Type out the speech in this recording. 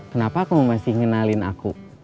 kenapa aku masih ngenalin aku